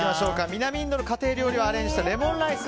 南インドの家庭料理をアレンジしたレモンライス